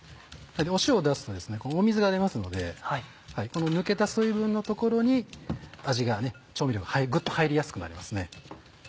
塩を出すと水が出ますのでこの抜けた水分のところに味が調味料がぐっと入りやすくなりますね。